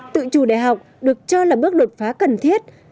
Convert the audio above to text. tự chủ đại học được cho là bước đột phá cần thiết